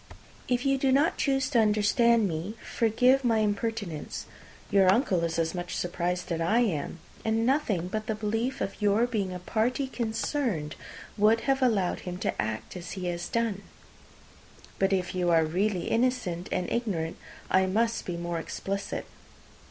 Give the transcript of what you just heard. If you do not choose to understand me, forgive my impertinence. Your uncle is as much surprised as I am; and nothing but the belief of your being a party concerned would have allowed him to act as he has done. But if you are really innocent and ignorant, I must be more explicit.